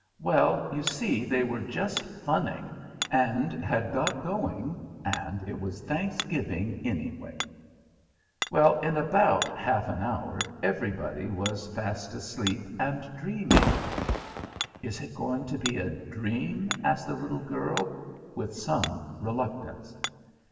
"Well, you see, they were just funning, and had got going, and it was Thanksgiving, anyway." Well, in about half an hour everybody was fast asleep and dreaming "Is it going to be a dream?" asked the little girl, with some reluctance.